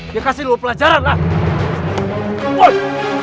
dia kasih dua pelajaran lah